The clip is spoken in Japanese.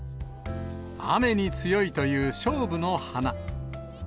雨に強いというしょうぶの花。